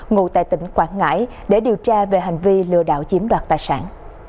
ngụ tại tỉnh quảng ngãi để điều tra về hành vi lừa đảo chiếm đoạt tài sản